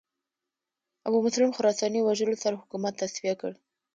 ابومسلم خراساني وژلو سره حکومت تصفیه کړ